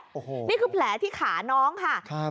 โอ้โหนี่คือแผลที่ขาน้องค่ะครับ